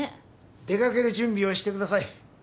出掛ける準備をしてください。